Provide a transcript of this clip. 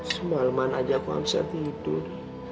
semalam mana aja aku bisa tidur